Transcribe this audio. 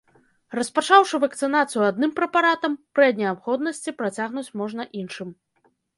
Распачаўшы вакцынацыю адным прэпаратам, пры неабходнасці працягнуць можна іншым.